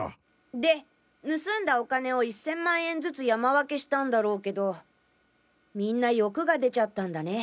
で盗んだお金を１０００万円ずつ山分けしたんだろうけどみんな欲が出ちゃったんだね。